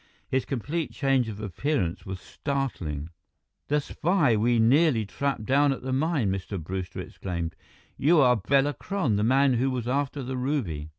His complete change of appearance was startling. "The spy we nearly trapped down at the mine!" Mr. Brewster exclaimed. "You are Bela Kron, the man who was after the ruby!"